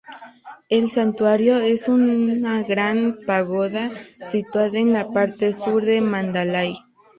El santuario es una gran pagoda situada en la parte sur de Mandalay.